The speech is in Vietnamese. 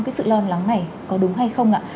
cái sự lo lắng này có đúng hay không ạ